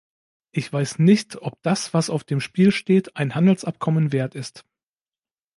Ich weiß nicht, ob das, was auf dem Spiel steht, ein Handelsabkommen wert ist.